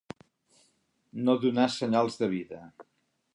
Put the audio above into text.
No donar senyals de vida.